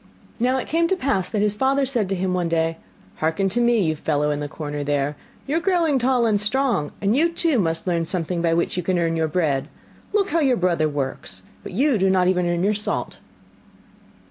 Now it came to pass that his father said to him one day: 'Hearken to me, you fellow in the corner there, you are growing tall and strong, and you too must learn something by which you can earn your bread. Look how your brother works, but you do not even earn your salt.